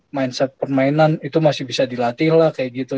mindset permainan itu masih bisa dilatih lah kayak gitu